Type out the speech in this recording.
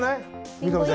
三上さん。